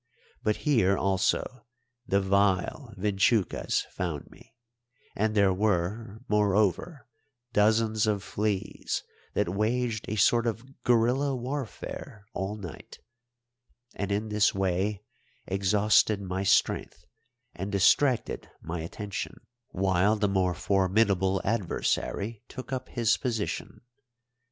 But here also the vile vinchucas found me, and there were, moreover, dozens of fleas that waged a sort of guerilla warfare all night, and in this way exhausted my strength and distracted my attention, while the more formidable adversary took up his position.